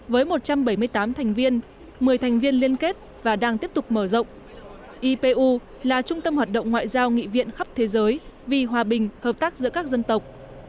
với một trăm bảy mươi tám thành viên một mươi thành viên liên kết và đang tiếp tục mở rộng ipu là trung tâm hoạt động ngoại giao nghị viện khắp thế giới vì hòa bình hợp tác giữa các dân tộc